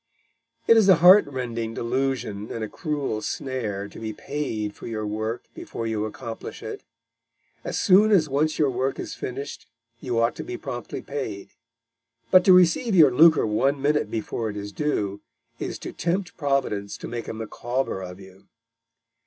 It is a heart rending delusion and a cruel snare to be paid for your work before you accomplish it. As soon as once your work is finished you ought to be promptly paid; but to receive your lucre one minute before it is due, is to tempt Providence to make a Micawber of you.